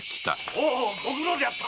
一同ご苦労であった。